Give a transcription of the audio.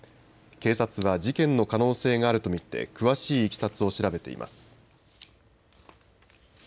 警察は事件の可能性があると見て詳しいいきさつを調べています。